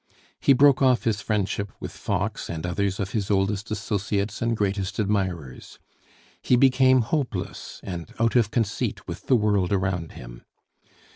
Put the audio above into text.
He broke off his friendship with Fox and others of his oldest associates and greatest admirers. He became hopeless and out of conceit with the world around him.